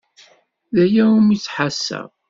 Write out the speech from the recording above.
D aya umi ttḥassaɣ.